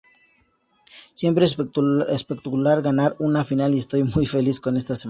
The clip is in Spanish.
Siempre es espectacular ganar una final y estoy muy feliz con esta semana.